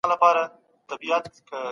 ژوند یوازې د مادي شیانو نوم نه دی.